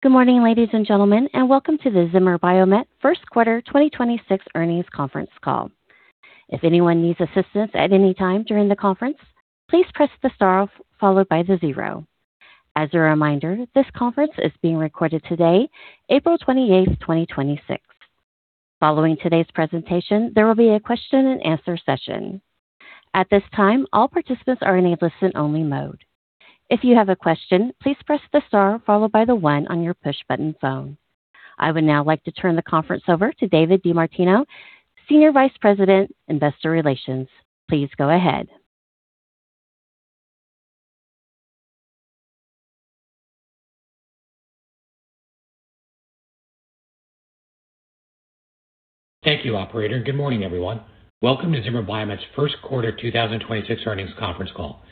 Good morning, ladies and gentlemen, welcome to the Zimmer Biomet first quarter 2026 earnings conference call. If anyone needs assistance at any time during the conference, please press the star followed by the zero. As a reminder, this conference is being recorded today, April 28th, 2026. Following today's presentation, there will be a question-and-answer session. At this time, all participants are in a listen-only mode. If you have a question, please press the star followed by the one on your push-button phone. I would now like to turn the conference over to David DeMartino, Senior Vice President, Investor Relations. Please go ahead. Thank you, operator. Good morning, everyone. Welcome to Zimmer Biomet's first quarter 2026 earnings conference call.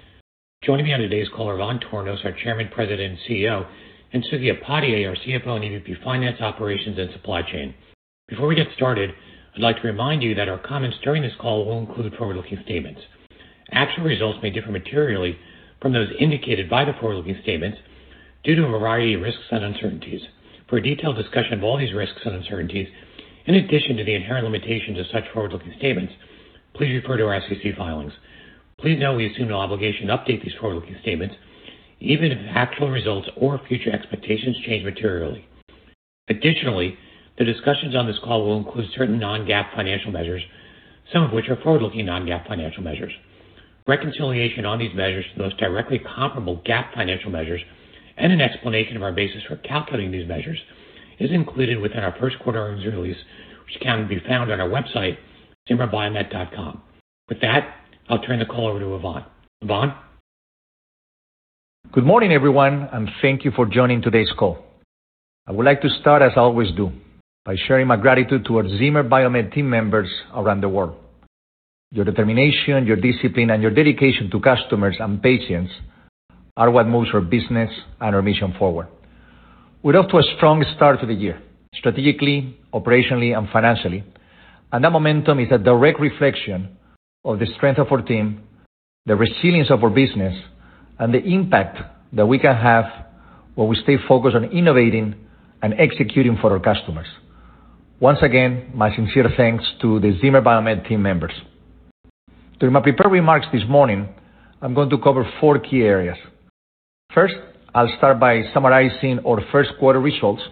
Joining me on today's call are Ivan Tornos, our Chairman, President and Chief Executive Officer, and Suketu Upadhyay, our CFO and EVP Finance, Operations and Supply Chain. Before we get started, I'd like to remind you that our comments during this call will include forward-looking statements. Actual results may differ materially from those indicated by the forward-looking statements due to a variety of risks and uncertainties. For a detailed discussion of all these risks and uncertainties, in addition to the inherent limitations of such forward-looking statements, please refer to our SEC filings. Please note we assume no obligation to update these forward-looking statements even if actual results or future expectations change materially. Additionally, the discussions on this call will include certain non-GAAP financial measures, some of which are forward-looking non-GAAP financial measures. Reconciliation on these measures to the most directly comparable GAAP financial measures and an explanation of our basis for calculating these measures is included within our first quarter earnings release, which can be found on our website, zimmerbiomet.com. With that, I'll turn the call over to Ivan. Ivan. Good morning, everyone, and thank you for joining today's call. I would like to start, as I always do, by sharing my gratitude towards Zimmer Biomet team members around the world. Your determination, your discipline, and your dedication to customers and patients are what moves our business and our mission forward. We're off to a strong start to the year strategically, operationally, and financially, and that momentum is a direct reflection of the strength of our team, the resilience of our business, and the impact that we can have when we stay focused on innovating and executing for our customers. Once again, my sincere thanks to the Zimmer Biomet team members. During my prepared remarks this morning, I'm going to cover four key areas. First, I'll start by summarizing our first quarter results.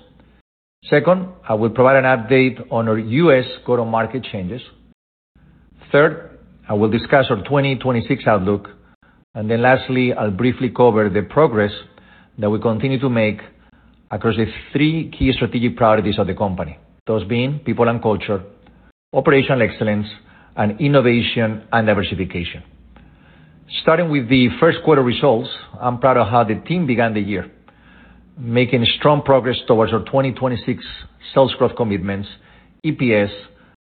Second, I will provide an update on our U.S. go-to-market changes. Third, I will discuss our 2026 outlook. Lastly, I'll briefly cover the progress that we continue to make across the three key strategic priorities of the company. Those being people and culture, operational excellence, and innovation and diversification. Starting with the first quarter results, I'm proud of how the team began the year, making strong progress towards our 2026 sales growth commitments, EPS,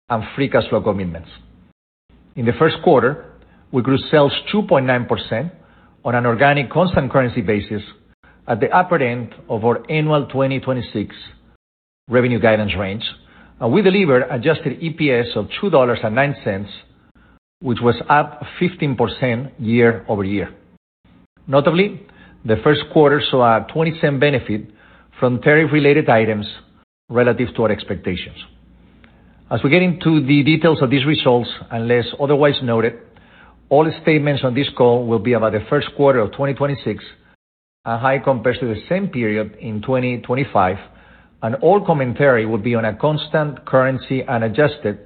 and free cash flow commitments. In the first quarter, we grew sales 2.9% on an organic constant currency basis at the upper end of our annual 2026 revenue guidance range. We delivered adjusted EPS of $2.09, which was up 15% year-over-year. Notably, the first quarter saw a $0.20 benefit from tariff-related items relative to our expectations. As we get into the details of these results, unless otherwise noted, all the statements on this call will be about the first quarter of 2026 and how it compares to the same period in 2025, and all commentary will be on a constant currency and adjusted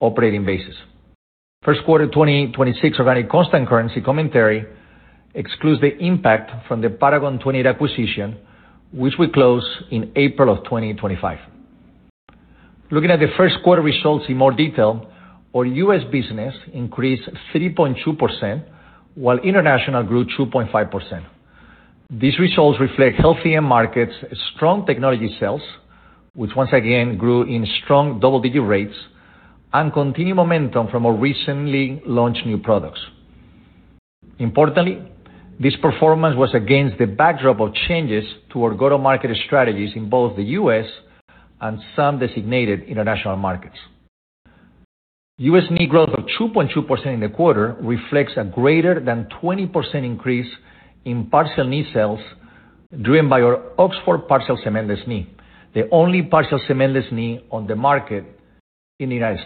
operating basis. First quarter 2026 organic constant currency commentary excludes the impact from the Paragon 28 acquisition, which we closed in April of 2025. Looking at the first quarter results in more detail, our U.S. business increased 3.2%, while international grew 2.5%. These results reflect healthy end markets, strong technology sales, which once again grew in strong double-digit rates, and continued momentum from our recently launched new products. Importantly, this performance was against the backdrop of changes to our go-to-market strategies in both the U.S. and some designated international markets. U.S. knee growth of 2.2% in the quarter reflects a greater than 20% increase in partial knee sales driven by our Oxford Partial Knee cementless knee, the only partial cementless knee on the market in the U.S.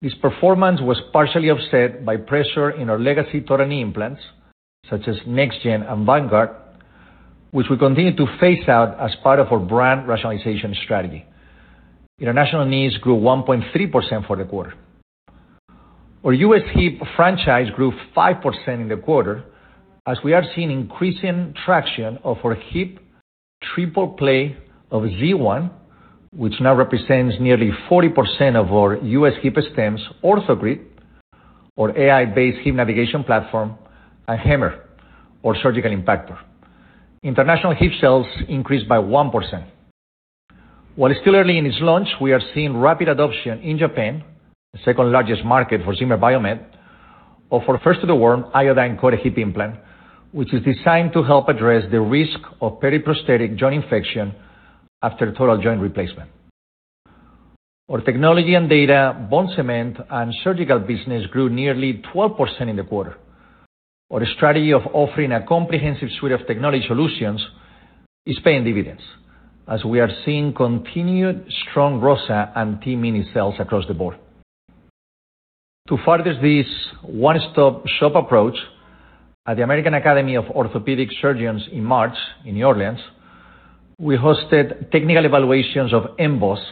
This performance was partially offset by pressure in our legacy total knee implants, such as NexGen and Vanguard, which we continue to phase out as part of our brand rationalization strategy. International knees grew 1.3% for the quarter. Our U.S. hip franchise grew 5% in the quarter as we are seeing increasing traction of our hip triple play of Z1, which now represents nearly 40% of our U.S. hip stems, OrthoGrid, our AI-based hip navigation platform, and HAMMR, our surgical impactor. International hip sales increased by 1%. While it's still early in its launch, we are seeing rapid adoption in Japan, the second-largest market for Zimmer Biomet, of our first of the world iodine-coated hip implant, which is designed to help address the risk of periprosthetic joint infection after total joint replacement. Our technology and data, bone cement, and surgical business grew nearly 12% in the quarter. Our strategy of offering a comprehensive suite of technology solutions is paying dividends, as we are seeing continued strong ROSA and TMINI sales across the board. To further this one-stop shop approach, at the American Academy of Orthopaedic Surgeons in March in New Orleans, we hosted technical evaluations of mBôs,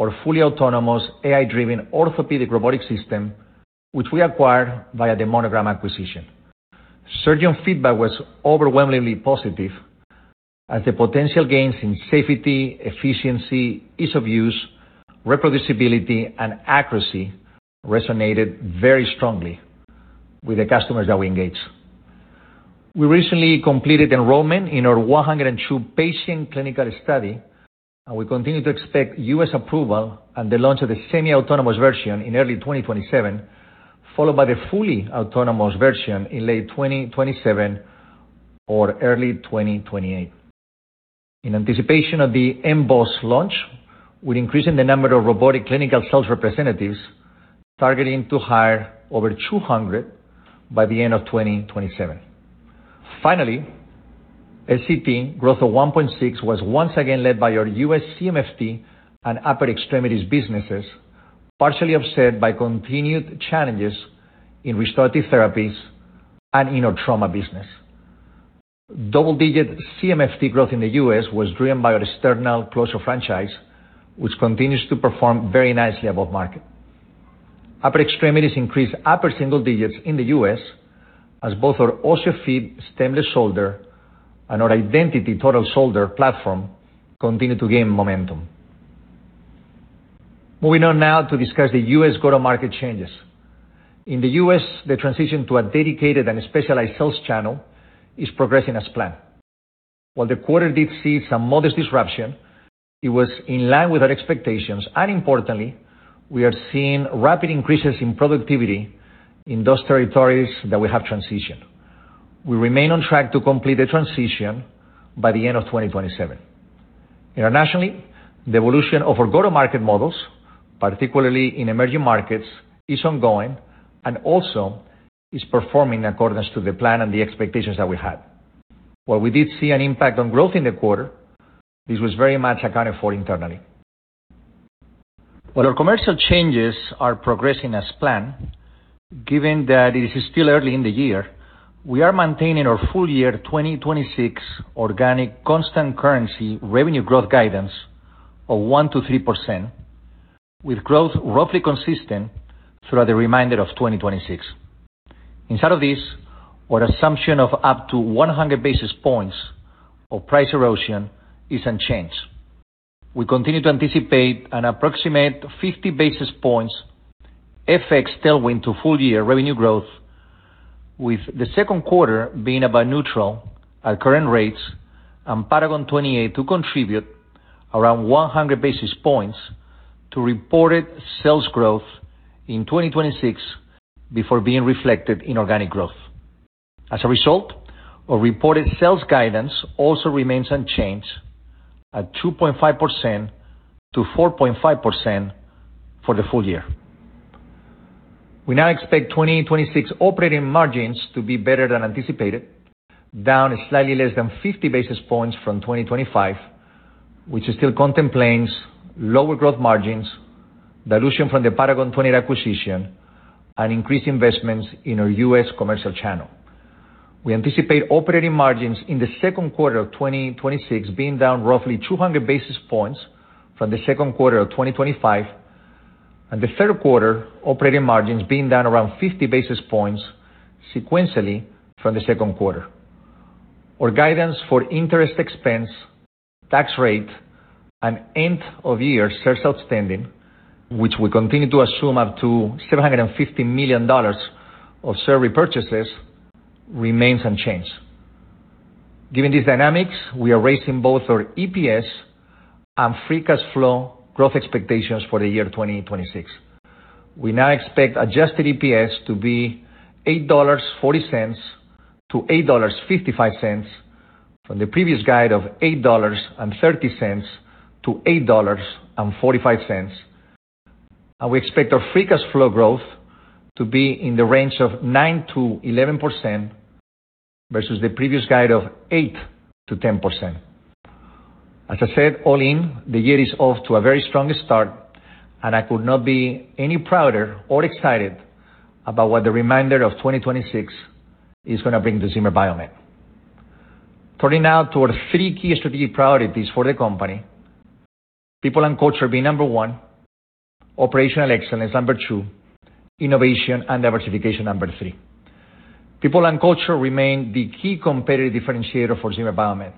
our fully autonomous AI-driven orthopedic robotic system, which we acquired via the Monogram acquisition. Surgeon feedback was overwhelmingly positive as the potential gains in safety, efficiency, ease of use, reproducibility, and accuracy resonated very strongly with the customers that we engaged. We recently completed enrollment in our 102-patient clinical study, and we continue to expect U.S. approval and the launch of the semiautonomous version in early 2027, followed by the fully autonomous version in late 2027 or early 2028. In anticipation of the mBôs launch, we're increasing the number of robotic clinical sales representatives targeting to hire over 200 by the end of 2027. Finally, SCP growth of 1.6% was once again led by our U.S. CMFT and upper extremities businesses, partially offset by continued challenges in restorative therapies and in our trauma business. Double-digit CMFT growth in the U.S. was driven by our sternal closure franchise, which continues to perform very nicely above market. Upper extremities increased upper single digits in the U.S. as both our OsseoFit Stemless Shoulder and our Identity Total Shoulder platform continued to gain momentum. Moving on now to discuss the U.S. go-to-market changes. In the U.S., the transition to a dedicated and specialized sales channel is progressing as planned. While the quarter did see some modest disruption, it was in line with our expectations, and importantly, we are seeing rapid increases in productivity in those territories that we have transitioned. We remain on track to complete the transition by the end of 2027. Internationally, the evolution of our go-to-market models, particularly in emerging markets, is ongoing and also is performing accordance to the plan and the expectations that we had. While we did see an impact on growth in the quarter, this was very much accounted for internally. While our commercial changes are progressing as planned, given that it is still early in the year, we are maintaining our full year 2026 organic constant currency revenue growth guidance of 1%-3%, with growth roughly consistent throughout the remainder of 2026. Inside of this, our assumption of up to 100 basis points of price erosion is unchanged. We continue to anticipate an approximate 50 basis points FX tailwind to full year revenue growth, with the second quarter being about neutral at current rates and Paragon 28 to contribute around 100 basis points to reported sales growth in 2026 before being reflected in organic growth. As a result, our reported sales guidance also remains unchanged at 2.5%-4.5% for the full year. We now expect 2026 operating margins to be better than anticipated, down slightly less than 50 basis points from 2025, which still contemplates lower growth margins, dilution from the Paragon 28 acquisition, and increased investments in our U.S. commercial channel. We anticipate operating margins in the second quarter of 2026 being down roughly 200 basis points from the second quarter of 2025, and the third quarter operating margins being down around 50 basis points sequentially from the second quarter. Our guidance for interest expense, tax rate, and end of year shares outstanding, which we continue to assume up to $750 million of share repurchases, remains unchanged. Given these dynamics, we are raising both our EPS and free cash flow growth expectations for the year 2026. We now expect adjusted EPS to be $8.40-$8.55 from the previous guide of $8.30-$8.45. We expect our free cash flow growth to be in the range of 9%-11% versus the previous guide of 8%-10%. As I said, all in, the year is off to a very strong start, and I could not be any prouder or excited about what the remainder of 2026 is going to bring to Zimmer Biomet. Turning now to our three key strategic priorities for the company, people and culture being number one, operational excellence number two, innovation and diversification number three. People and culture remain the key competitive differentiator for Zimmer Biomet,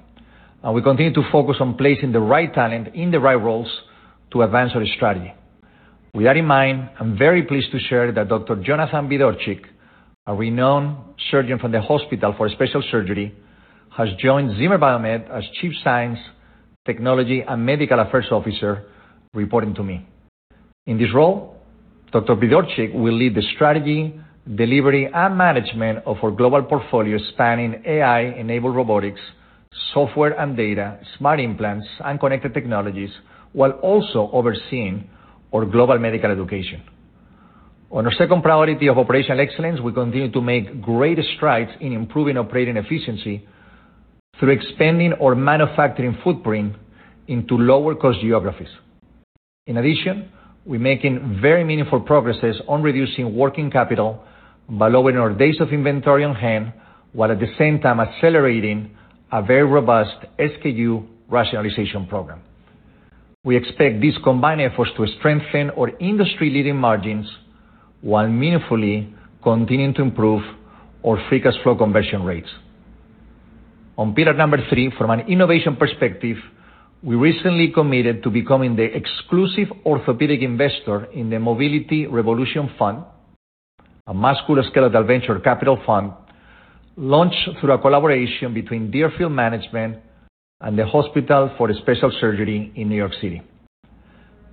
and we continue to focus on placing the right talent in the right roles to advance our strategy. With that in mind, I'm very pleased to share that Dr. Jonathan M. Vigdorchik, a renowned surgeon from the Hospital for Special Surgery, has joined Zimmer Biomet as Chief Science, Technology, and Medical Affairs Officer reporting to me. In this role, Dr. Vigdorchik will lead the strategy, delivery, and management of our global portfolio spanning AI-enabled robotics, software and data, smart implants, and connected technologies, while also overseeing our global medical education. On our second priority of operational excellence, we continue to make great strides in improving operating efficiency through expanding our manufacturing footprint into lower cost geographies. In addition, we're making very meaningful progresses on reducing working capital by lowering our days of inventory on hand, while at the same time accelerating a very robust SKU rationalization program. We expect these combined efforts to strengthen our industry-leading margins, while meaningfully continuing to improve our free cash flow conversion rates. On pillar number three, from an innovation perspective, we recently committed to becoming the exclusive orthopedic investor in the Mobility Revolution Fund, a musculoskeletal venture capital fund launched through a collaboration between Deerfield Management and the Hospital for Special Surgery in New York City.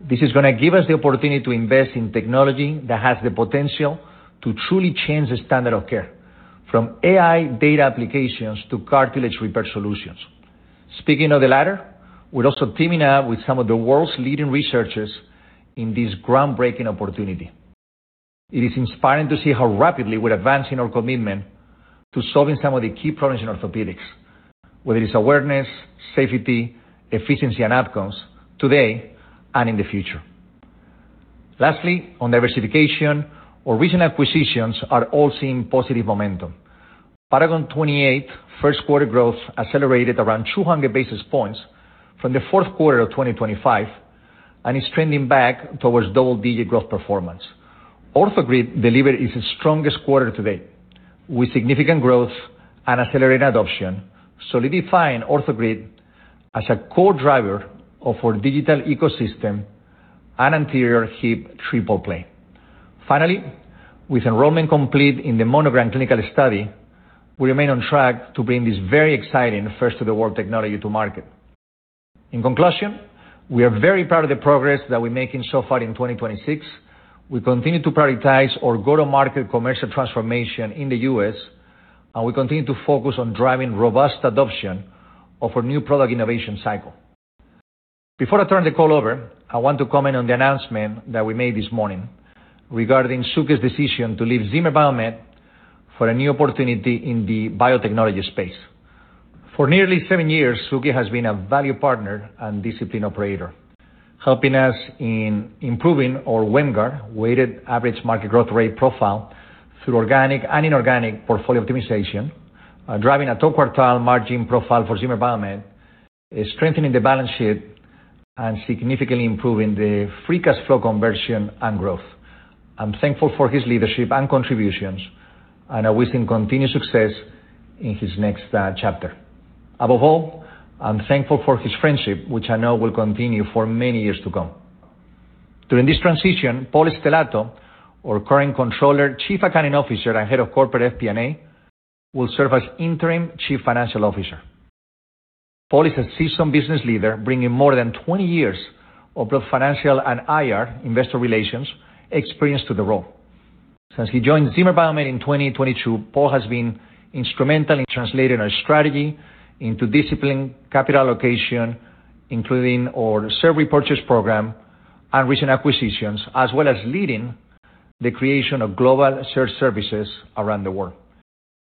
This is gonna give us the opportunity to invest in technology that has the potential to truly change the standard of care, from AI data applications to cartilage repair solutions. Speaking of the latter, we're also teaming up with some of the world's leading researchers in this groundbreaking opportunity. It is inspiring to see how rapidly we're advancing our commitment to solving some of the key problems in orthopedics, whether it's awareness, safety, efficiency, and outcomes today and in the future. Lastly, on diversification, our recent acquisitions are all seeing positive momentum. Paragon 28 first quarter growth accelerated around 200 basis points from the fourth quarter of 2025 and is trending back towards double-digit growth performance. OrthoGrid delivered its strongest quarter to date with significant growth and accelerated adoption, solidifying OrthoGrid as a core driver of our digital ecosystem and anterior hip triple play. Finally, with enrollment complete in the Monogram clinical study, we remain on track to bring this very exciting first of the world technology to market. In conclusion, we are very proud of the progress that we're making so far in 2026. We continue to prioritize our go-to-market commercial transformation in the U.S., and we continue to focus on driving robust adoption of our new product innovation cycle. Before I turn the call over, I want to comment on the announcement that we made this morning regarding Suke's decision to leave Zimmer Biomet for a new opportunity in the biotechnology space. For nearly seven years, Suke has been a value partner and disciplined operator, helping us in improving our WAMGR, weighted average market growth rate profile through organic and inorganic portfolio optimization, driving a top quartile margin profile for Zimmer Biomet, strengthening the balance sheet, and significantly improving the free cash flow conversion and growth. I'm thankful for his leadership and contributions, and I wish him continued success in his next chapter. Above all, I'm thankful for his friendship, which I know will continue for many years to come. During this transition, Paul Stellato, our current Controller, Chief Accounting Officer, and Head of Corporate FP&A, will serve as interim Chief Financial Officer. Paul is a seasoned business leader, bringing more than 20 years of both financial and IR Investor Relations experience to the role. Since he joined Zimmer Biomet in 2022, Paul has been instrumental in translating our strategy into disciplined capital allocation, including our share repurchase program and recent acquisitions, as well as leading the creation of global shared services around the world.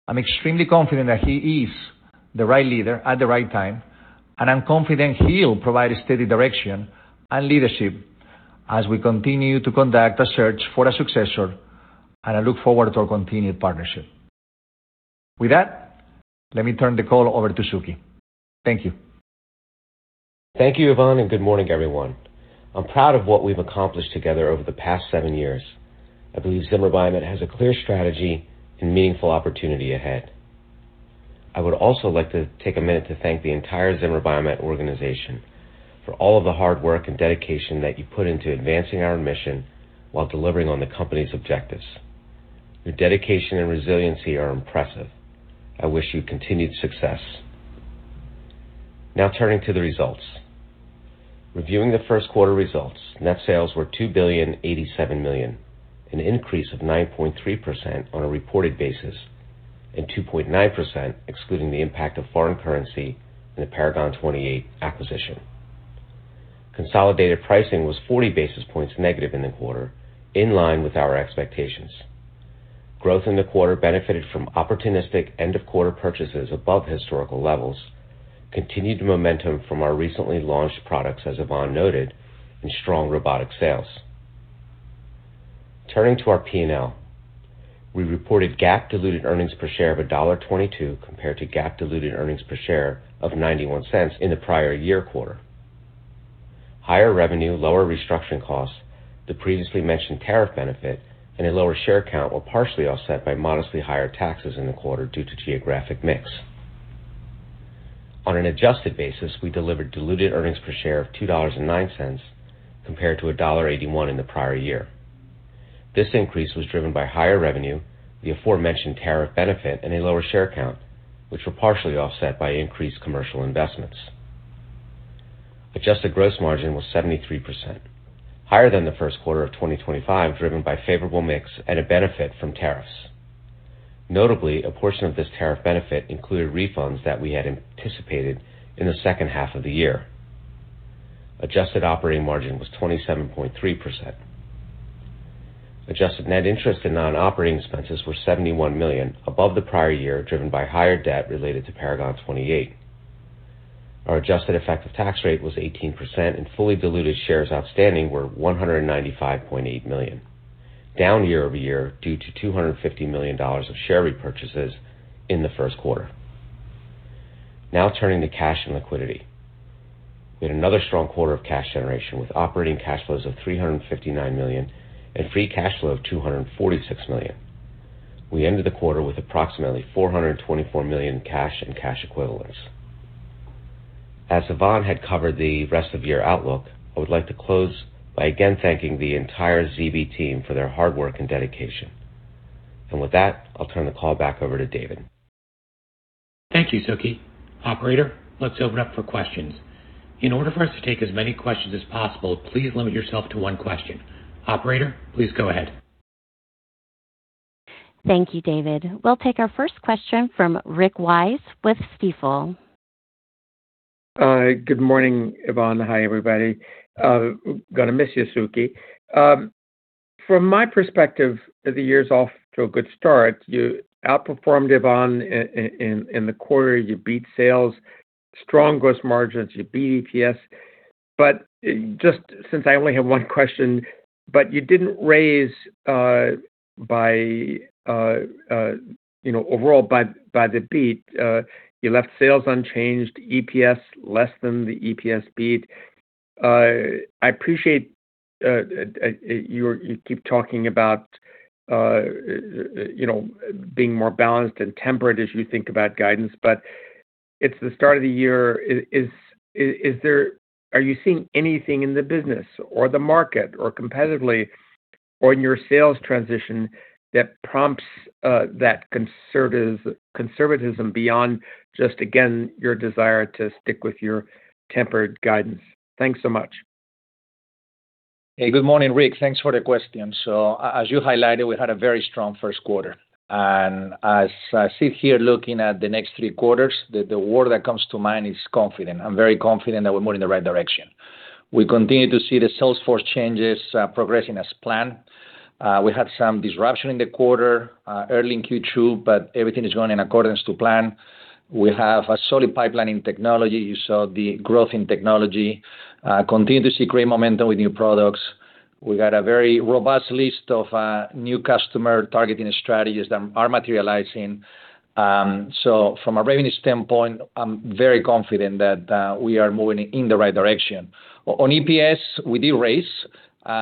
I'm extremely confident that he is the right leader at the right time, and I'm confident he'll provide steady direction and leadership as we continue to conduct a search for a successor, and I look forward to our continued partnership. With that, let me turn the call over to Suke. Thank you. Thank you, Ivan. Good morning, everyone. I'm proud of what we've accomplished together over the past seven years. I believe Zimmer Biomet has a clear strategy and meaningful opportunity ahead. I would also like to take a minute to thank the entire Zimmer Biomet organization for all of the hard work and dedication that you put into advancing our mission while delivering on the company's objectives. Your dedication and resiliency are impressive. I wish you continued success. Turning to the results. Reviewing the first quarter results, net sales were $2.087 billion, an increase of 9.3% on a reported basis and 2.9% excluding the impact of foreign currency in the Paragon 28 acquisition. Consolidated pricing was 40 basis points negative in the quarter, in line with our expectations. Growth in the quarter benefited from opportunistic end-of-quarter purchases above historical levels, continued momentum from our recently launched products, as Ivan noted, and strong robotic sales. Turning to our P&L, we reported GAAP diluted earnings per share of $1.22 compared to GAAP diluted earnings per share of $0.91 in the prior year quarter. Higher revenue, lower restructuring costs, the previously mentioned tariff benefit, and a lower share count were partially offset by modestly higher taxes in the quarter due to geographic mix. On an adjusted basis, we delivered diluted earnings per share of $2.09 compared to $1.81 in the prior year. This increase was driven by higher revenue, the aforementioned tariff benefit, and a lower share count, which were partially offset by increased commercial investments. Adjusted gross margin was 73%, higher than the first quarter of 2025, driven by favorable mix and a benefit from tariffs. Notably, a portion of this tariff benefit included refunds that we had anticipated in the second half of the year. Adjusted operating margin was 27.3%. Adjusted net interest and non-operating expenses were $71 million, above the prior year, driven by higher debt related to Paragon 28. Our adjusted effective tax rate was 18% and fully diluted shares outstanding were $195.8 million, down year-over-year due to $250 million of share repurchases in the first quarter. Turning to cash and liquidity. We had another strong quarter of cash generation with operating cash flows of $359 million and free cash flow of $246 million. We ended the quarter with approximately $424 million cash and cash equivalents. As Ivan had covered the rest of year outlook, I would like to close by again thanking the entire ZB team for their hard work and dedication. With that, I'll turn the call back over to David. Thank you, Suke. Operator, let's open up for questions. In order for us to take as many questions as possible, please limit yourself to one question. Operator, please go ahead. Thank you, David. We'll take our first question from Rick Wise with Stifel. Good morning, Ivan. Hi, everybody. Gonna miss you, Suke. From my perspective, the year's off to a good start. You outperformed, Ivan, in the quarter. You beat sales, strong gross margins. You beat EPS. Just since I only have one question, you didn't raise, you know, overall by the beat. You left sales unchanged, EPS less than the EPS beat. I appreciate you keep talking about, you know, being more balanced and tempered as you think about guidance, it's the start of the year. Are you seeing anything in the business or the market or competitively or in your sales transition that prompts that conservatism beyond just, again, your desire to stick with your tempered guidance? Thanks so much. Hey, good morning, Rick. Thanks for the question. As you highlighted, we had a very strong first quarter. As I sit here looking at the next three quarters, the word that comes to mind is confident. I'm very confident that we're moving in the right direction. We continue to see the sales force changes progressing as planned. We had some disruption in the quarter early in Q2, but everything is going in accordance to plan. We have a solid pipeline in technology. You saw the growth in technology. Continue to see great momentum with new products. We got a very robust list of new customer targeting strategies that are materializing. From a revenue standpoint, I'm very confident that we are moving in the right direction. On EPS, we did raise,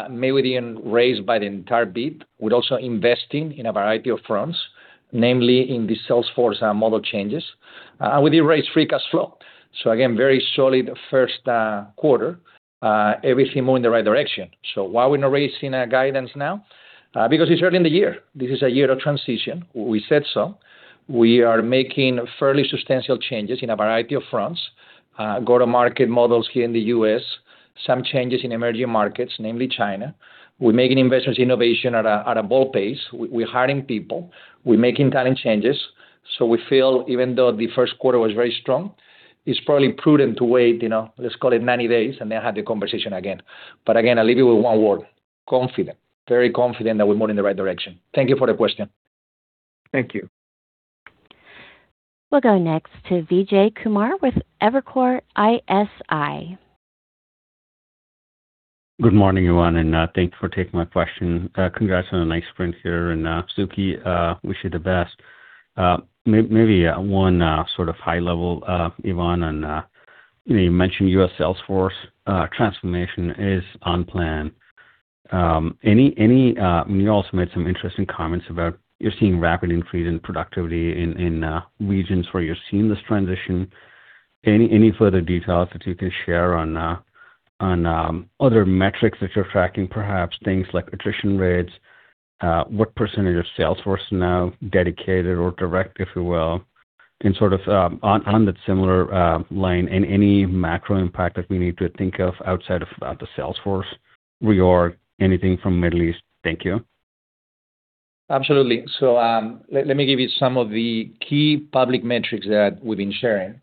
maybe we didn't raise by the entire beat. We're also investing in a variety of fronts, namely in the sales force and model changes. We did raise free cash flow. Again, very solid first quarter. Everything moving in the right direction. Why we're not raising our guidance now? Because it's early in the year. This is a year of transition. We said so. We are making fairly substantial changes in a variety of fronts. Go-to-market models here in the U.S., some changes in emerging markets, namely China. We're making investments in innovation at a bold pace. We're hiring people. We're making talent changes. We feel even though the first quarter was very strong, it's probably prudent to wait, you know, let's call it 90 days, and then have the conversation again. Again, I'll leave you with one word, confident. Very confident that we're moving in the right direction. Thank you for the question. Thank you. We'll go next to Vijay Kumar with Evercore ISI. Good morning, everyone, and thanks for taking my question. Congrats on a nice sprint here and Suke, wish you the best. Maybe, one, sort of high level, Ivan on, you know, you mentioned your sales force, transformation is on plan. You also made some interesting comments about you're seeing rapid increase in productivity in regions where you're seeing this transition. Any, any further details that you can share on other metrics that you're tracking, perhaps things like attrition rates, what percentage of sales force now dedicated or direct, if you will? Sort of, on that similar, line, any macro impact that we need to think of outside of, the sales force reorg, anything from Middle East? Thank you. Absolutely. Let me give you some of the key public metrics that we've been sharing.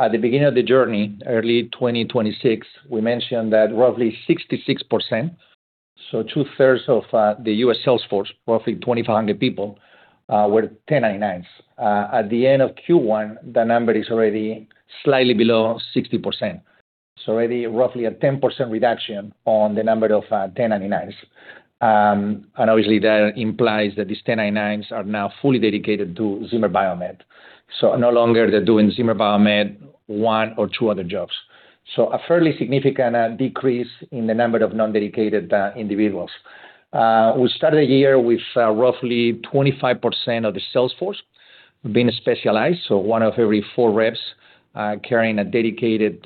At the beginning of the journey, early 2026, we mentioned that roughly 66%, so two-thirds of the U.S. sales force, roughly 2,500 people, were 1099s. At the end of Q1, the number is already slightly below 60%. Already roughly a 10% reduction on the number of 1099s. And obviously, that implies that these 1099s are now fully dedicated to Zimmer Biomet. No longer they're doing Zimmer Biomet one or two other jobs. A fairly significant decrease in the number of non-dedicated individuals. We started the year with roughly 25% of the sales force being specialized, so one of every four reps carrying a dedicated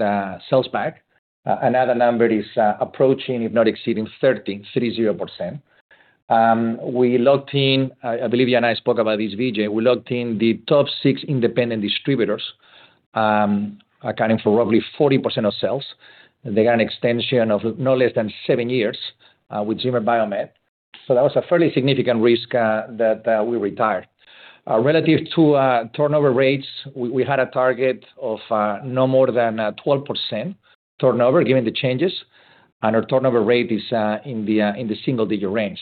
sales bag. Another number is approaching, if not exceeding 13.30%. We locked in. I believe you and I spoke about this, Vijay. We locked in the top six independent distributors, accounting for roughly 40% of sales. They got an extension of not less than seven years with Zimmer Biomet, so that was a fairly significant risk that we retired. Relative to turnover rates, we had a target of no more than 12% turnover given the changes, and our turnover rate is in the single-digit range.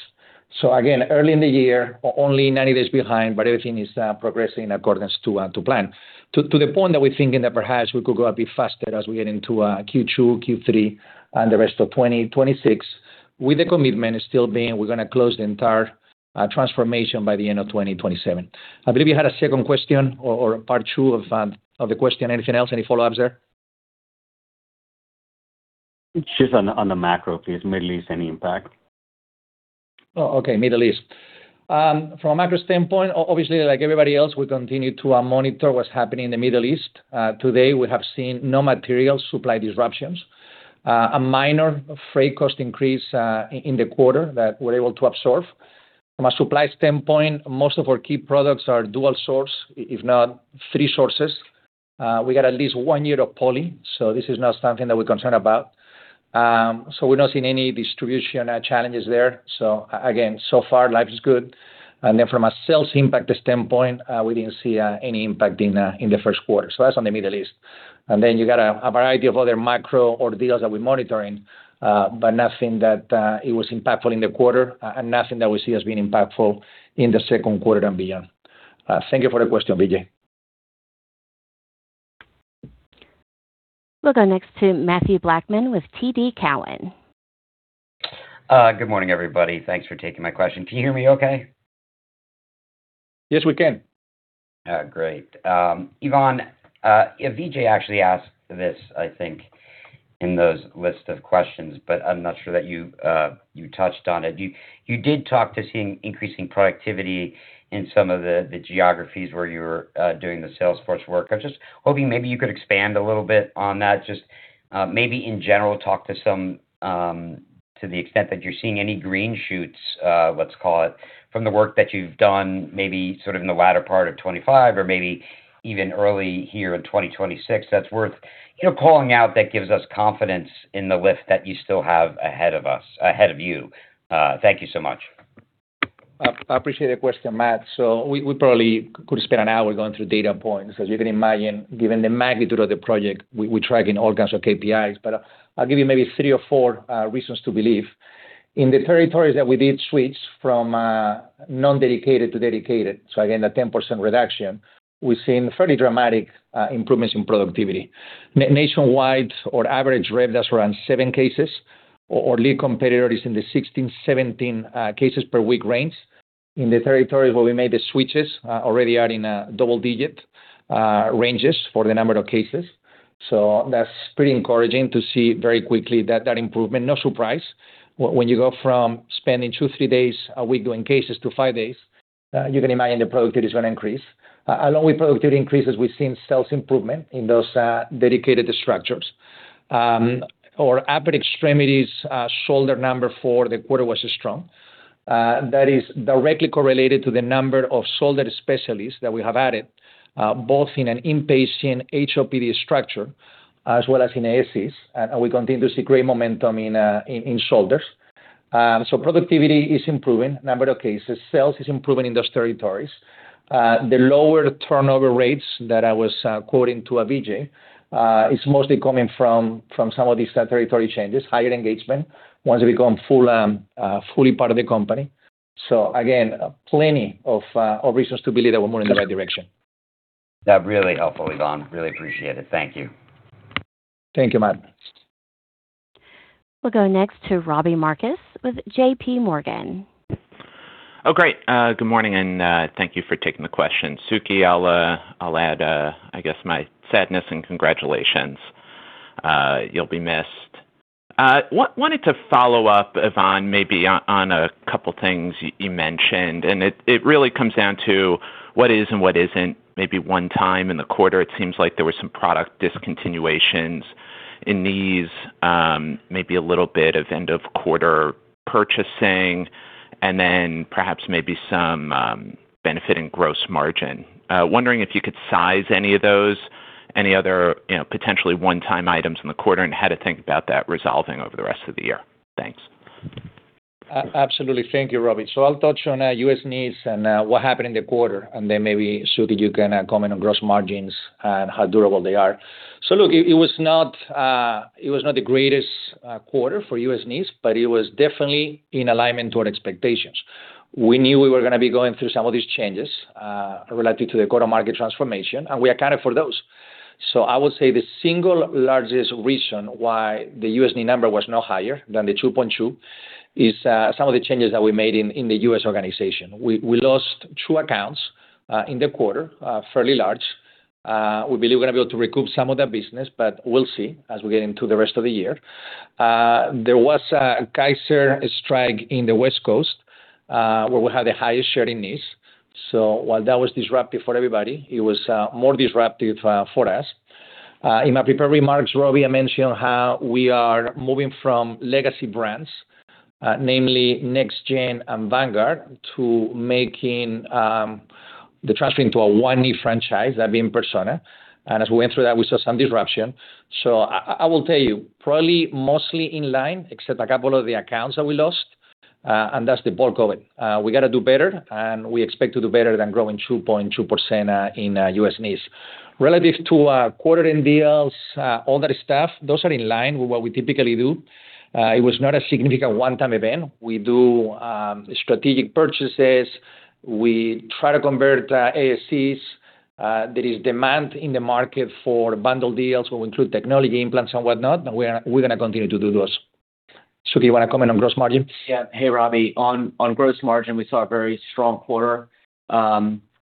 Again, early in the year, only 90 days behind, but everything is progressing in accordance to plan. To the point that we're thinking that perhaps we could go a bit faster as we get into Q2, Q3 and the rest of 2026, with the commitment still being we're gonna close the entire transformation by the end of 2027. I believe you had a second question or part two of the question. Anything else? Any follow-ups there? Just on the macro piece. Middle East, any impact? Okay, Middle East. From a macro standpoint, obviously, like everybody else, we continue to monitor what's happening in the Middle East. To date, we have seen no material supply disruptions. A minor freight cost increase in the quarter that we're able to absorb. From a supply standpoint, most of our key products are dual source, if not three sources. We got at least one year of poly, so this is not something that we're concerned about. We're not seeing any distribution challenges there. Again, so far life is good. From a sales impact standpoint, we didn't see any impact in the first quarter. That's on the Middle East. You got a variety of other macro ordeals that we're monitoring, but nothing that it was impactful in the quarter and nothing that we see as being impactful in the second quarter and beyond. Thank you for the question, Vijay. We'll go next to Mathew Blackman with TD Cowen. Good morning, everybody. Thanks for taking my question. Can you hear me okay? Yes, we can. Great. Ivan, Vijay actually asked this, I think, in those list of questions, but I'm not sure that you touched on it. You did talk to seeing increasing productivity in some of the geographies where you're doing the Salesforce work. I was just hoping maybe you could expand a little bit on that. Just maybe in general, talk to some to the extent that you're seeing any green shoots, let's call it, from the work that you've done, maybe sort of in the latter part of 2025 or maybe even early here in 2026 that's worth, you know, calling out that gives us confidence in the lift that you still have ahead of you. Thank you so much. I appreciate the question, Mat. We probably could spend an hour going through data points, because you can imagine, given the magnitude of the project, we're tracking all kinds of KPIs. I'll give you maybe three or four reasons to believe. In the territories that we did switch from non-dedicated to dedicated, so again, the 10% reduction, we've seen fairly dramatic improvements in productivity. Nationwide or average rev, that's around seven cases, or lead competitor is in the 16, 17 cases per week range. In the territories where we made the switches, already are in double digit ranges for the number of cases. That's pretty encouraging to see very quickly that improvement. No surprise. When you go from spending two, three days a week doing cases to five days, you can imagine the productivity is going to increase. Along with productivity increases, we've seen sales improvement in those dedicated structures. Our upper extremities, shoulder number for the quarter was strong. That is directly correlated to the number of shoulder specialists that we have added, both in an inpatient HOPD structure as well as in ASCs. We continue to see great momentum in shoulders. Productivity is improving, number of cases. Sales is improving in those territories. The lower turnover rates that I was quoting to Vijay, is mostly coming from some of these territory changes, higher engagement once we become full, fully part of the company. Again, plenty of reasons to believe that we're moving in the right direction. That really helpful, Ivan. Really appreciate it. Thank you. Thank you, Mat. We'll go next to Robbie Marcus with JPMorgan. Great. Good morning, and thank you for taking the question. Suke, I'll add, I guess my sadness and congratulations. You'll be missed. Wanted to follow up, Ivan, maybe on a couple things you mentioned, and it really comes down to what is and what isn't maybe one time in the quarter. It seems like there were some product discontinuations in these, maybe a little bit of end of quarter purchasing and then perhaps maybe some benefit in gross margin. Wondering if you could size any of those. Any other, you know, potentially one-time items in the quarter and how to think about that resolving over the rest of the year. Thanks. Absolutely. Thank you, Robbie. I'll touch on U.S. knees and what happened in the quarter, maybe, Suke, you can comment on gross margins and how durable they are. Look, it was not the greatest quarter for U.S. knees, it was definitely in alignment to our expectations. We knew we were going to be going through some of these changes related to the quarter market transformation, we accounted for those. I would say the single largest reason why the U.S. knee number was no higher than the 2.2% is some of the changes that we made in the U.S. organization. We lost two accounts in the quarter, fairly large. We believe we're gonna be able to recoup some of that business, but we'll see as we get into the rest of the year. There was a Kaiser strike in the West Coast, where we have the highest share in knees. While that was disruptive for everybody, it was more disruptive for us. In my prepared remarks, Robbie, I mentioned how we are moving from legacy brands, namely NexGen and Vanguard, to transferring to a one new franchise, that being Persona. As we went through that, we saw some disruption. I will tell you, probably mostly in line except a couple of the accounts that we lost, and that's the bulk of it. We gotta do better, and we expect to do better than growing 2.2%, in U.S. knees. Relative to our quarter-end deals, all that stuff, those are in line with what we typically do. It was not a significant one-time event. We do strategic purchases. We try to convert ASCs. There is demand in the market for bundle deals where we include technology implants and whatnot, and we're gonna continue to do those. Suke, you wanna comment on gross margin? Yeah. Hey, Robbie. On gross margin, we saw a very strong quarter,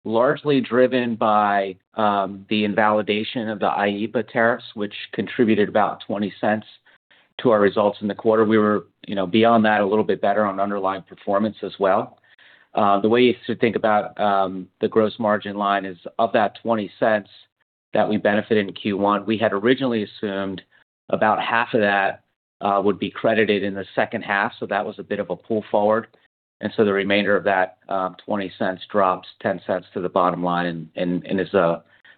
largely driven by the invalidation of the IEEPA tariffs, which contributed about $0.20 to our results in the quarter. We were, you know, beyond that, a little bit better on underlying performance as well. The way to think about the gross margin line is, of that $0.20 that we benefited in Q1, we had originally assumed about half of that would be credited in the second half, so that was a bit of a pull forward. The remainder of that $0.20 drops $0.10 to the bottom line and is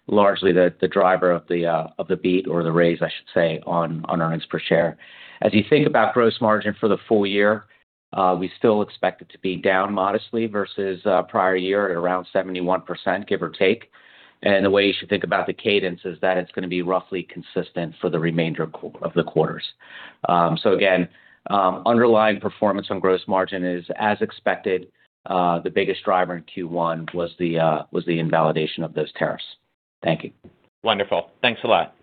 largely the driver of the beat or the raise, I should say, on earnings per share. As you think about gross margin for the full year, we still expect it to be down modestly versus prior year at around 71%, give or take. The way you should think about the cadence is that it's gonna be roughly consistent for the remainder of the quarters. Again, underlying performance on gross margin is as expected. The biggest driver in Q1 was the invalidation of those tariffs. Thank you. Wonderful. Thanks a lot.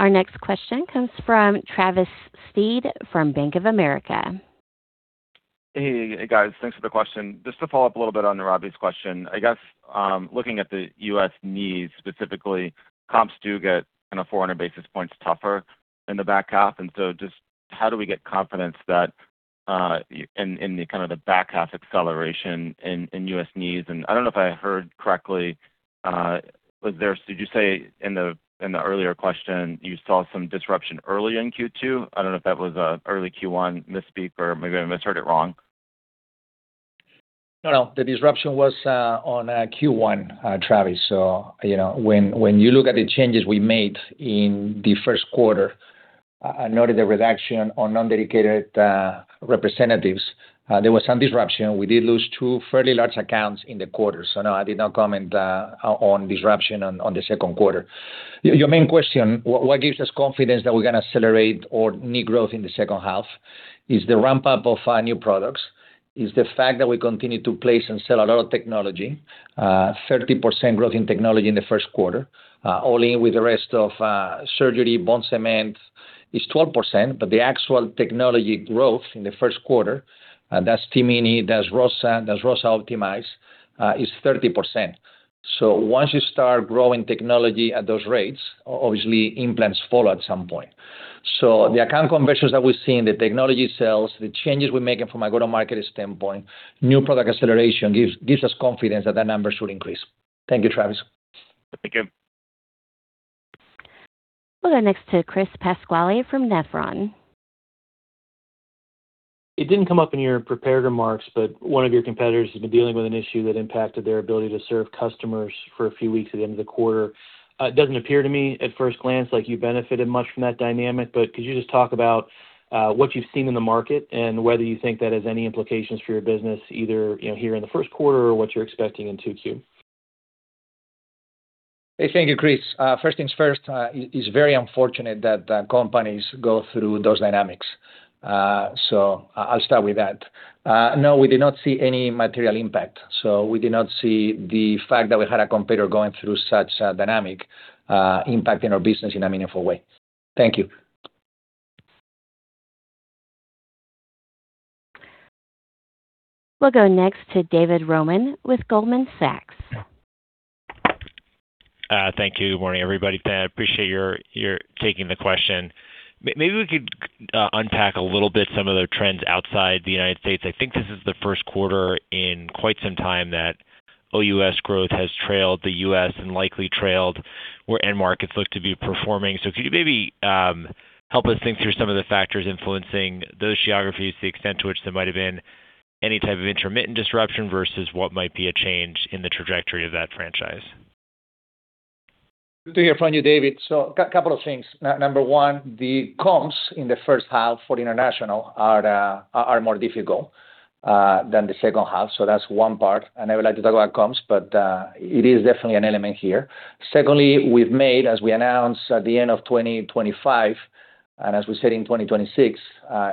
Our next question comes from Travis Steed from Bank of America. Hey, guys. Thanks for the question. Just to follow up a little bit on Robbie's question. I guess, looking at the U.S. knees specifically, comps do get kind of 400 basis points tougher in the back half, just how do we get confidence that in the kind of the back half acceleration in U.S. knees? I don't know if I heard correctly, Did you say in the, in the earlier question, you saw some disruption early in Q2? I don't know if that was early Q1 misspeak or maybe I misheard it wrong. No, no. The disruption was on Q1, Travis. You know, when you look at the changes we made in the first quarter, noted the reduction on non-dedicated representatives, there was some disruption. We did lose two fairly large accounts in the quarter. No, I did not comment on disruption on the second quarter. Your main question, what gives us confidence that we're gonna accelerate our knee growth in the second half is the ramp-up of our new products, is the fact that we continue to place and sell a lot of technology. 30% growth in technology in the first quarter. All in with the rest of surgery, bone cement is 12%, the actual technology growth in the first quarter, and that's TMINI, that's ROSA, that's ROSA OptimiZe, is 30%. Once you start growing technology at those rates, obviously implants follow at some point. The account conversions that we're seeing, the technology sales, the changes we're making from a go-to-market standpoint, new product acceleration gives us confidence that the numbers should increase. Thank you, Travis. Thank you. We'll go next to Chris Pasquale from Nephron. It didn't come up in your prepared remarks, but one of your competitors has been dealing with an issue that impacted their ability to serve customers for a few weeks at the end of the quarter. It doesn't appear to me at first glance like you benefited much from that dynamic, but could you just talk about what you've seen in the market and whether you think that has any implications for your business either, you know, here in the first quarter or what you're expecting in 2Q? Thank you, Chris. First things first, it's very unfortunate that companies go through those dynamics. I'll start with that. No, we did not see any material impact, so we did not see the fact that we had a competitor going through such a dynamic, impacting our business in a meaningful way. Thank you. We'll go next to David Roman with Goldman Sachs. Thank you. Morning, everybody. I appreciate your taking the question. Maybe we could unpack a little bit some of the trends outside the United States. I think this is the first quarter in quite some time that OUS growth has trailed the U.S. and likely trailed where end markets look to be performing. Could you maybe help us think through some of the factors influencing those geographies to the extent to which there might have been any type of intermittent disruption versus what might be a change in the trajectory of that franchise? Good to hear from you, David. Couple of things. Number one, the comps in the first half for international are more difficult than the second half. That's one part. I never like to talk about comps, but it is definitely an element here. Secondly, we've made, as we announced at the end of 2025, and as we said in 2026,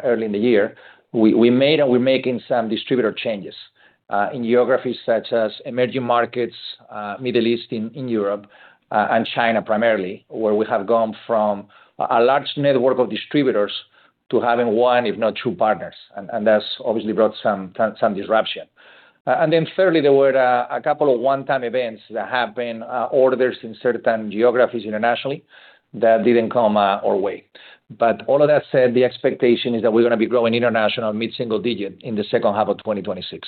early in the year, we made and we're making some distributor changes in geographies such as emerging markets, Middle East, in Europe, and China primarily, where we have gone from a large network of distributors to having one, if not two partners. That's obviously brought some disruption. And then thirdly, there were a couple of one-time events that have been orders in certain geographies internationally that didn't come our way. All of that said, the expectation is that we're gonna be growing international mid-single digit in the second half of 2026.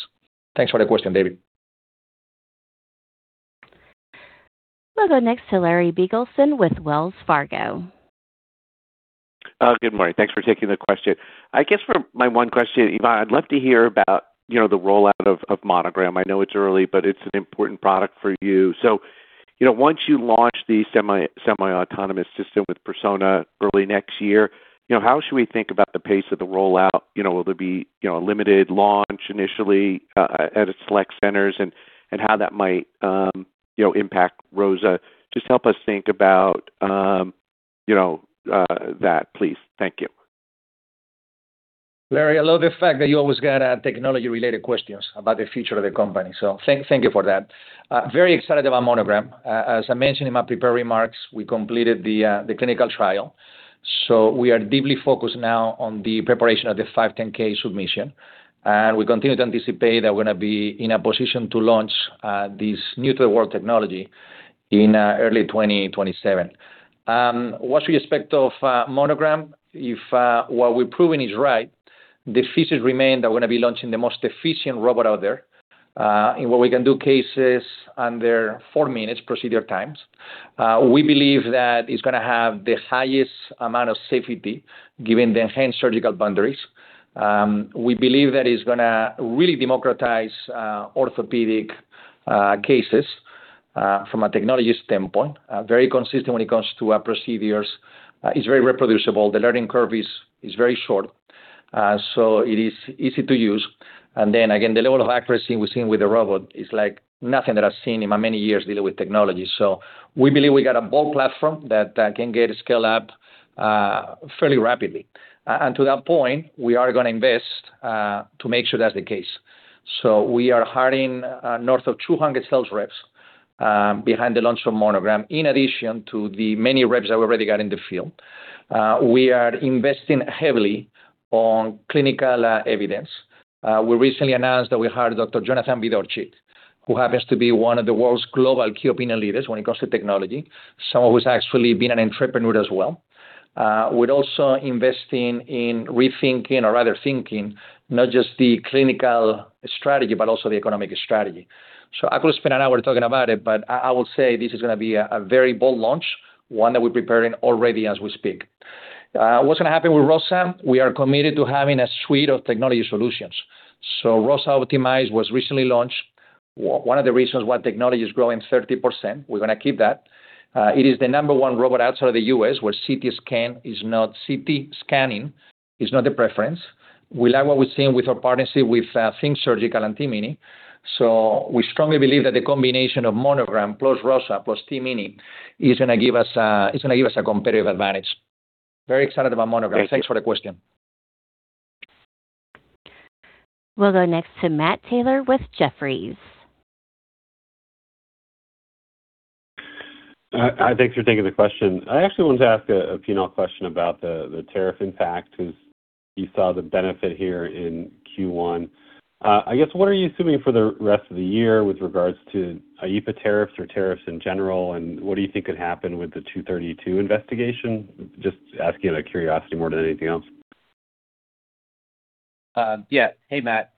Thanks for the question, David. We'll go next to Larry Biegelsen with Wells Fargo. Good morning. Thanks for taking the question. I guess for my one question, Ivan, I'd love to hear about, you know, the rollout of Monogram. I know it's early, but it's an important product for you. You know, once you launch the semi-autonomous system with Persona early next year, you know, how should we think about the pace of the rollout? You know, will there be, you know, a limited launch initially at select centers and how that might, you know, impact ROSA? Just help us think about, you know, that, please. Thank you. Larry, I love the fact that you always got technology-related questions about the future of the company, so thank you for that. Very excited about Monogram. As I mentioned in my prepared remarks, we completed the clinical trial, so we are deeply focused now on the preparation of the 510(k) submission. We continue to anticipate that we're gonna be in a position to launch this new-to-the-world technology in early 2027. What we expect of Monogram, if what we've proven is right, the features remain that we're gonna be launching the most efficient robot out there, and where we can do cases under four minutes procedure times. We believe that it's gonna have the highest amount of safety given the enhanced surgical boundaries. We believe that it's gonna really democratize orthopedic cases from a technology standpoint, very consistent when it comes to our procedures. It's very reproducible. The learning curve is very short. It is easy to use. The level of accuracy we're seeing with the robot is like nothing that I've seen in my many years dealing with technology. We believe we got a bold platform that can get scaled up fairly rapidly. To that point, we are gonna invest to make sure that's the case. We are hiring north of 200 sales reps behind the launch of Monogram, in addition to the many reps that we already got in the field. We are investing heavily on clinical evidence. We recently announced that we hired Dr. Jonathan M. Vigdorchik, who happens to be one of the world's global key opinion leaders when it comes to technology, someone who's actually been an entrepreneur as well. We're also investing in rethinking or rather thinking not just the clinical strategy, but also the economic strategy. I could spend an hour talking about it, but I will say this is gonna be a very bold launch, one that we're preparing already as we speak. What's gonna happen with ROSA? We are committed to having a suite of technology solutions. ROSA OptimiZe was recently launched. One of the reasons why technology is growing 30%, we're gonna keep that. It is the number one robot outside of the U.S., where CT scanning is not the preference. We like what we've seen with our partnership with THINK Surgical and TMINI. We strongly believe that the combination of Monogram plus ROSA plus TMINI is gonna give us a competitive advantage. Very excited about Monogram. Thank you. Thanks for the question. We'll go next to Matt Taylor with Jefferies. Thanks for taking the question. I actually wanted to ask a few questions about the tariff impact, because you saw the benefit here in Q1. I guess, what are you assuming for the rest of the year with regards to IEEPA tariffs or tariffs in general, and what do you think could happen with the Section 232 Investigation? Just asking out of curiosity more than anything else. Yeah. Hey, Matt.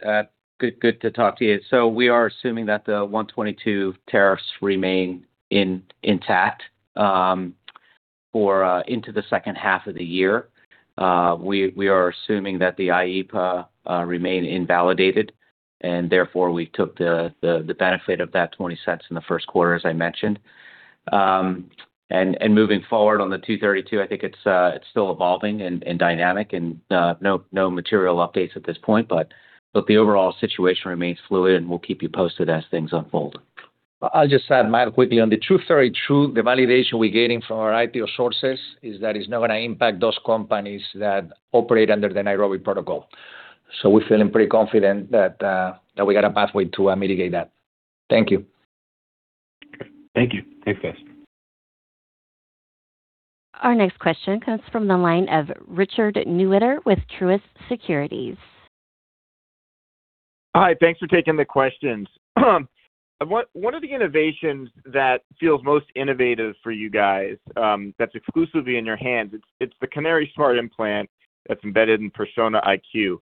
Good to talk to you. We are assuming that the Section 122 tariffs remain intact for into the second half of the year. We are assuming that the IEEPA remain invalidated, therefore we took the benefit of that $0.20 in the first quarter, as I mentioned. Moving forward on the Section 232, I think it's still evolving and dynamic and no material updates at this point, but the overall situation remains fluid, and we'll keep you posted as things unfold. I'll just add, Matt, quickly, on the Section 232, the validation we're getting from our I/O sources is that it's not gonna impact those companies that operate under the Nairobi Protocol. We're feeling pretty confident that we got a pathway to mitigate that. Thank you. Thank you. Thanks, guys. Our next question comes from the line of Richard Newitter with Truist Securities. Hi. Thanks for taking the questions. What are the innovations that feels most innovative for you guys that's exclusively in your hands? It's the CANARY Smart implant that's embedded in Persona IQ.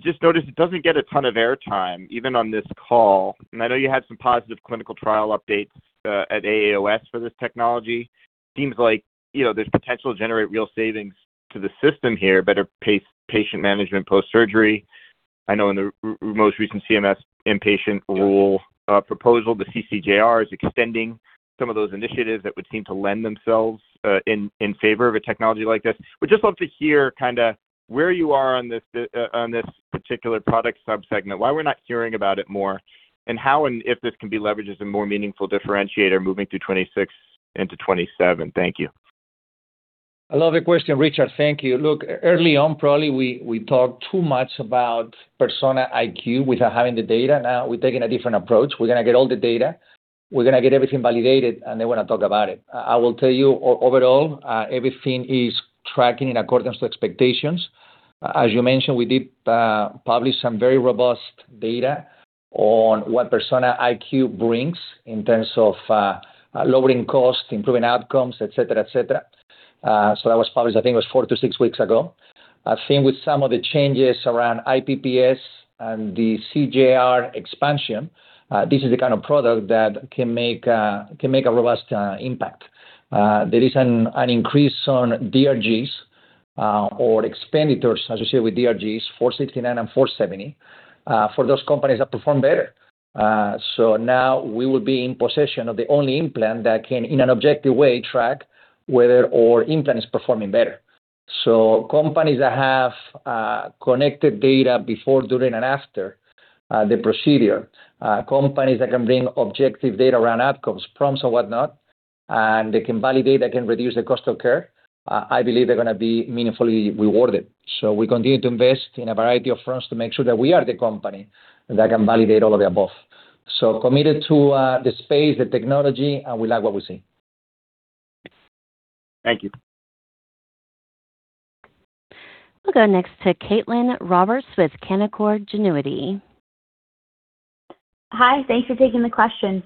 Just noticed it doesn't get a ton of airtime even on this call. I know you had some positive clinical trial updates at AAOS for this technology. Seems like, you know, there's potential to generate real savings to the system here, better patient management post-surgery. I know in the most recent CMS inpatient rule proposal, the CJR is extending some of those initiatives that would seem to lend themselves in favor of a technology like this. Would just love to hear kinda where you are on this, on this particular product sub-segment, why we're not hearing about it more, and how and if this can be leveraged as a more meaningful differentiator moving through 2026 into 2027. Thank you. I love the question, Richard. Thank you. Look, early on, probably we talked too much about Persona IQ without having the data. We're taking a different approach. We're gonna get all the data, we're gonna get everything validated, then we're gonna talk about it. I will tell you overall, everything is tracking in accordance to expectations. As you mentioned, we did publish some very robust data, on what Persona IQ brings in terms of lowering costs, improving outcomes, et cetera, et cetera. That was published, I think it was four to six weeks ago. I've seen with some of the changes around IPPS and the CJR expansion, this is the kind of product that can make a robust impact. There is an increase on DRGs, or expenditures, as you say, with DRGs 469 and 470, for those companies that perform better. Now we will be in possession of the only implant that can, in an objective way, track whether our implant is performing better. Companies that have connected data before, during, and after the procedure, companies that can bring objective data around outcomes, prompts or whatnot, and they can validate, they can reduce the cost of care, I believe they're gonna be meaningfully rewarded. We continue to invest in a variety of fronts to make sure that we are the company that can validate all of the above. Committed to the space, the technology, and we like what we see. Thank you. We'll go next to Caitlin Roberts with Canaccord Genuity. Hi, thanks for taking the question.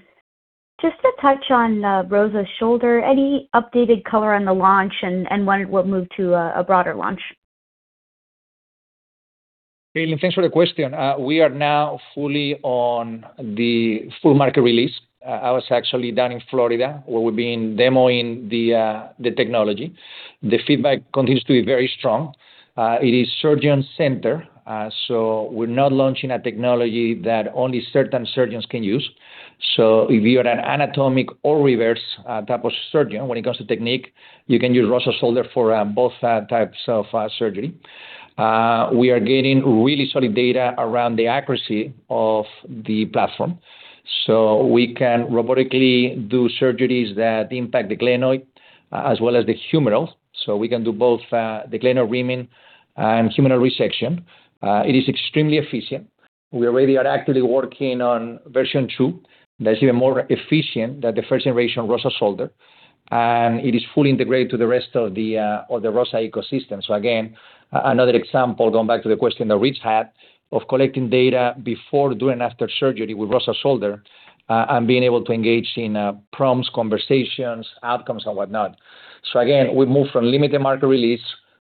Just to touch on ROSA Shoulder, any updated color on the launch and when it will move to a broader launch? Caitlin, thanks for the question. We are now fully on the full market release. I was actually down in Florida, where we've been demoing the technology. The feedback continues to be very strong. It is surgeon-centered, we're not launching a technology that only certain surgeons can use. If you're an anatomic or reverse type of surgeon when it comes to technique, you can use ROSA Shoulder for both types of surgery. We are getting really solid data around the accuracy of the platform. We can robotically do surgeries that impact the glenoid as well as the humeral. We can do both the glenoid reaming and humeral resection. It is extremely efficient. We already are actively working on version two, that's even more efficient than the first generation ROSA Shoulder. It is fully integrated to the rest of the ROSA ecosystem. Again, another example, going back to the question that Rich had, of collecting data before, during, and after surgery with ROSA Shoulder, and being able to engage in prompts, conversations, outcomes and whatnot. Again, we've moved from limited market release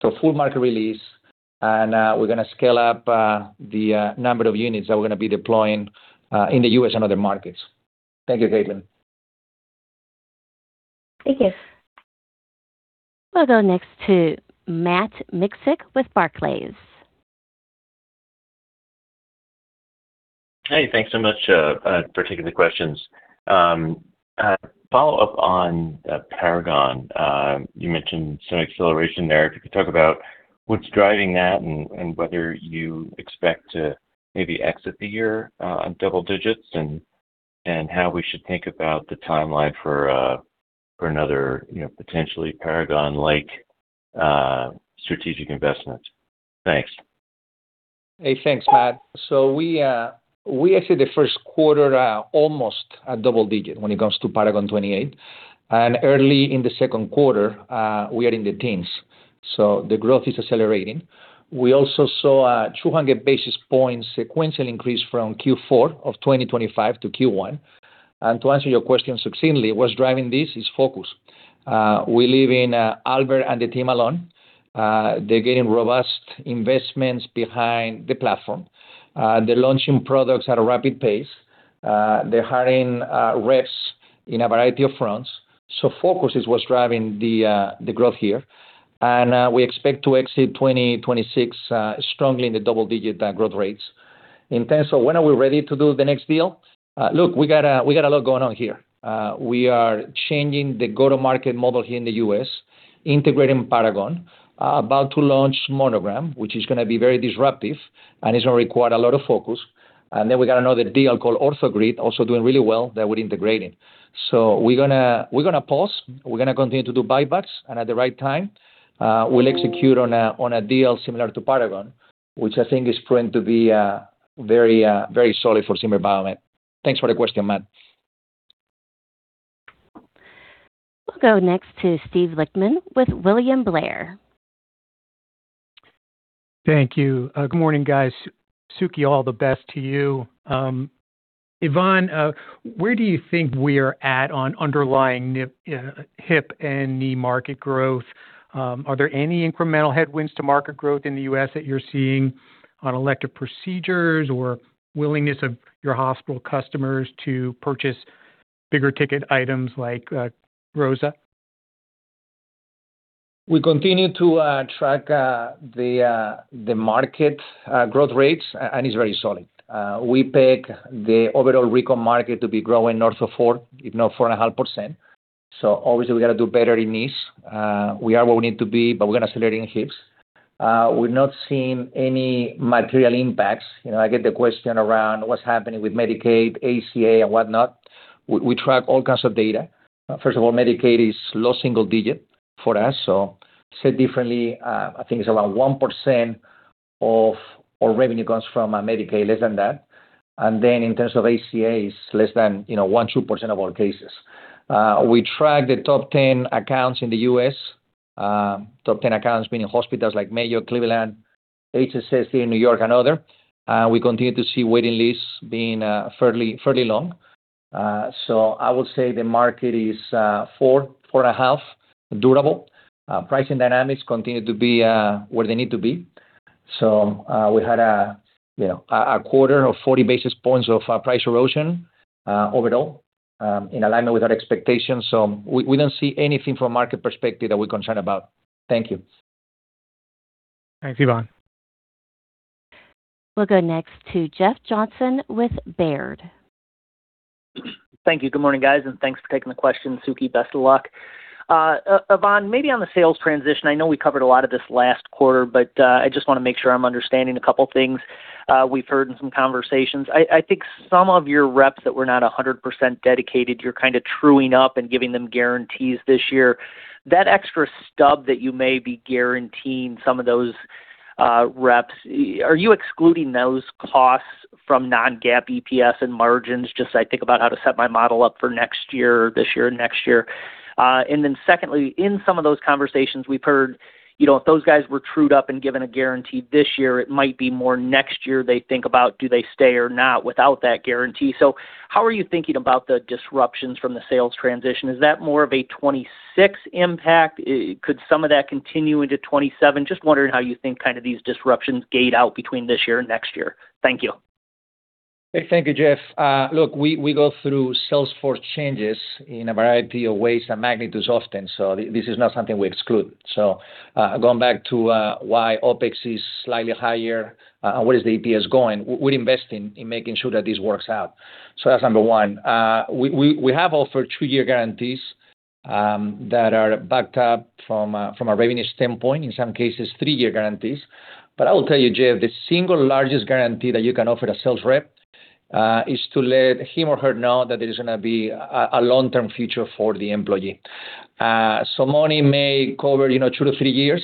to full market release, and we're going to scale up the number of units that we're going to be deploying in the U.S. and other markets. Thank you, Caitlin. Thank you. We'll go next to Matt Miksic with Barclays. Hey, thanks so much for taking the questions. Follow-up on Paragon. You mentioned some acceleration there. If you could talk about what's driving that and whether you expect to maybe exit the year on double digits, and how we should think about the timeline for another, you know, potentially Paragon-like strategic investment. Thanks. Hey, thanks, Matt. We exited the first quarter at almost a double-digit when it comes to Paragon 28. Early in the second quarter, we are in the teens, the growth is accelerating. We also saw a 200 basis points sequential increase from Q4 of 2025 to Q1. To answer your question succinctly, what's driving this is focus. We believe in Albert and the team alone. They're getting robust investments behind the platform. They're launching products at a rapid pace. They're hiring reps in a variety of fronts. Focus is what's driving the growth here. We expect to exit 2026 strongly in the double-digit growth rates. In terms of when are we ready to do the next deal, look, we got a lot going on here. We are changing the go-to-market model here in the U.S., integrating Paragon, about to launch Monogram, which is gonna be very disruptive and is gonna require a lot of focus. We got another deal called OrthoGrid, also doing really well, that we're integrating. We're gonna pause. We're gonna continue to do buybacks, and at the right time, we'll execute on a deal similar to Paragon, which I think is going to be very, very solid for Zimmer Biomet. Thanks for the question, Matt. We'll go next to Steven Lichtman with William Blair. Thank you. Good morning, guys. Suke, all the best to you. Ivan, where do you think we are at on underlying hip and knee market growth? Are there any incremental headwinds to market growth in the U.S. that you're seeing on elective procedures or willingness of your hospital customers to purchase bigger-ticket items like ROSA? We continue to track the market growth rates, and it's very solid. We peg the overall recon market to be growing north of 4%, if not 4.5%. Obviously, we gotta do better in knees. We are where we need to be, but we're gonna accelerate in hips. We've not seen any material impacts. You know, I get the question around what's happening with Medicaid, ACA and whatnot. We track all kinds of data. First of all, Medicaid is low single digit for us. Said differently, I think it's around 1% of our revenue comes from Medicaid, less than that. And then in terms of ACA, it's less than, you know, 1%, 2% of our cases. We track the top 10 accounts in the U.S. Top 10 accounts meaning hospitals like Mayo, Cleveland, HSS here in New York, and other. We continue to see waiting lists being fairly long. I would say the market is four and a half durable. Pricing dynamics continue to be where they need to be. We had a, you know, a quarter of 40 basis points of price erosion overall in alignment with our expectations. We don't see anything from a market perspective that we're concerned about. Thank you. Thanks, Ivan. We'll go next to Jeff Johnson with Baird. Thank you. Good morning, guys, and thanks for taking the question. Suke, best of luck. Ivan, maybe on the sales transition, I know we covered a lot of this last quarter, but I just wanna make sure I'm understanding a couple things. We've heard in some conversations, I think some of your reps that were not 100% dedicated, you're kinda truing up and giving them guarantees this year. That extra stub that you may be guaranteeing some of those reps, are you excluding those costs from non-GAAP EPS and margins? Just I think about how to set my model up for next year, this year and next year. Secondly, in some of those conversations we've heard, you know, if those guys were trued up and given a guarantee this year, it might be more next year they think about do they stay or not without that guarantee. How are you thinking about the disruptions from the sales transition? Is that more of a 2026 impact? Could some of that continue into 2027? Wondering how you think kinda these disruptions gate out between this year and next year. Thank you. Thank you, Jeff. Look, we go through sales force changes in a variety of ways and magnitudes often, this is not something we exclude. Going back to why OpEx is slightly higher, and where is the EPS going, we're investing in making sure that this works out. That's number one. We have offered two-year guarantees that are backed up from a revenue standpoint, in some cases, three-year guarantees. I will tell you, Jeff, the single largest guarantee that you can offer to sales rep is to let him or her know that there's going to be a long-term future for the employee. Money may cover, you know, two to three years,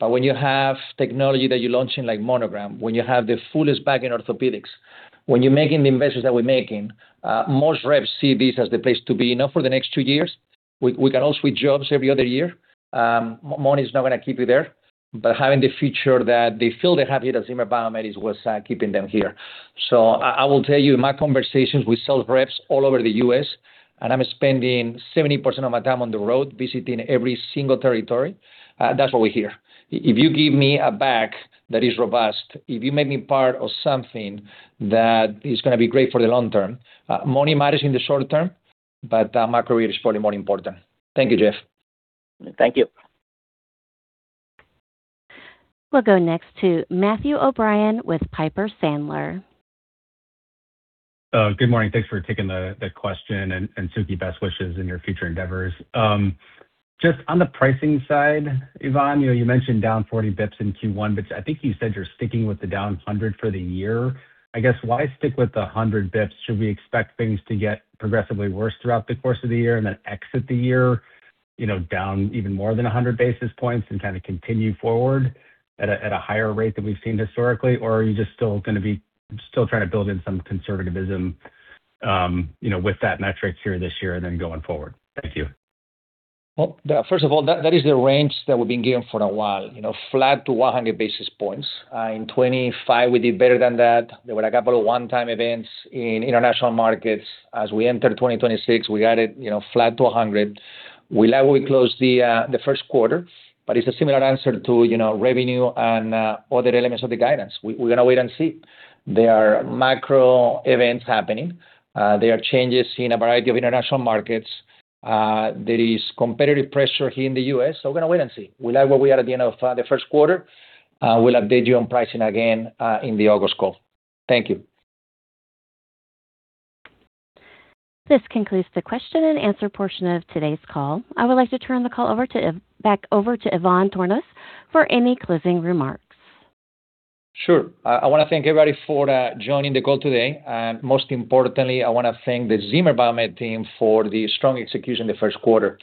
when you have technology that you're launching like Monogram, when you have the fullest bag in orthopedics, when you're making the investments that we're making, most reps see this as the place to be, you know, for the next two years. We can all switch jobs every other year. Money is not gonna keep you there. Having the future that they feel they have here at Zimmer Biomet is what's keeping them here. I will tell you, my conversations with sales reps all over the U.S., and I'm spending 70% of my time on the road visiting every single territory, that's what we hear. If you give me a bag that is robust, if you make me part of something that is gonna be great for the long term, money matters in the short term, but my career is probably more important. Thank you, Jeff. Thank you. We'll go next to Matt O'Brien with Piper Sandler. Good morning. Thanks for taking the question, and Suke, best wishes in your future endeavors. Just on the pricing side, Ivan, you know, you mentioned down 40 basis points in Q1, but I think you said you're sticking with the down 100 basis points for the year. I guess, why stick with the 100 basis points? Should we expect things to get progressively worse throughout the course of the year and then exit the year, you know, down even more than 100 basis points and kinda continue forward at a higher rate than we've seen historically? Or are you just still gonna be trying to build in some conservativism, you know, with that metric here this year and then going forward? Thank you. Well, first of all, that is the range that we've been given for a while, you know, flat to 100 basis points. In 2025, we did better than that. There were a couple of one-time events in international markets. As we enter 2026, we guided, you know, flat to 100. We like where we closed the first quarter. It's a similar answer to, you know, revenue and other elements of the guidance. We're gonna wait and see. There are macro events happening. There are changes in a variety of international markets. There is competitive pressure here in the U.S., we're gonna wait and see. We like where we are at the end of the first quarter. We'll update you on pricing again in the August call. Thank you. This concludes the question-and-answer portion of today's call. I would like to turn the call back over to Ivan Tornos for any closing remarks. Sure. I wanna thank everybody for joining the call today. Most importantly, I wanna thank the Zimmer Biomet team for the strong execution the first quarter.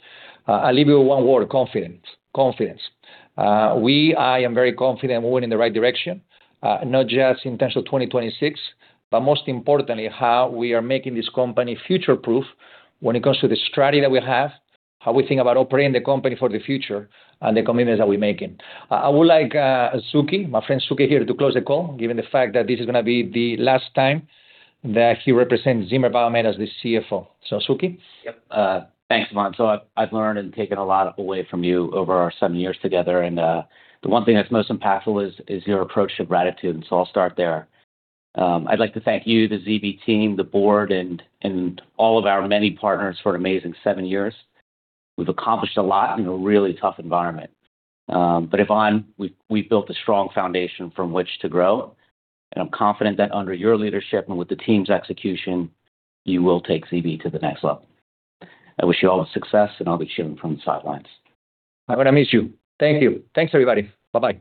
I leave you with one word, confidence. Confidence. I am very confident we're heading the right direction, not just in terms of 2026, but most importantly, how we are making this company future-proof when it comes to the strategy that we have, how we think about operating the company for the future, and the commitments that we're making. I would like Suke, my friend Suke here, to close the call, given the fact that this is gonna be the last time that he represents Zimmer Biomet as the CFO. Suke? Yep. Thanks, Ivan. I've learned and taken a lot away from you over our seven years together, and the one thing that's most impactful is your approach to gratitude, so I'll start there. I'd like to thank you, the ZB team, the board, and all of our many partners for an amazing seven years. We've accomplished a lot in a really tough environment. Ivan, we've built a strong foundation from which to grow, and I'm confident that under your leadership and with the team's execution, you will take ZB to the next level. I wish you all the success, and I'll be cheering from the sidelines. I'm gonna miss you. Thank you. Thanks, everybody. Bye-bye.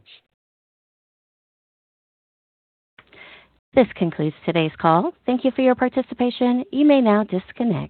This concludes today's call. Thank you for your participation. You may now disconnect.